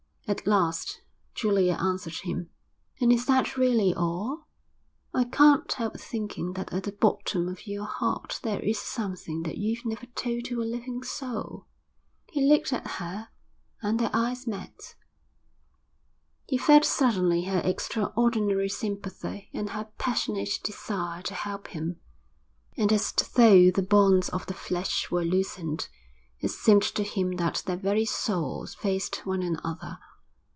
At last Julia answered him. 'And is that really all? I can't help thinking that at the bottom of your heart there is something that you've never told to a living soul.' He looked at her, and their eyes met. He felt suddenly her extraordinary sympathy and her passionate desire to help him. And as though the bonds of the flesh were loosened, it seemed to him that their very souls faced one another.